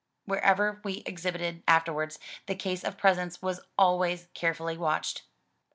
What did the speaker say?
Wherever we ex hibited afterwards, the case of presents was always carefully watched.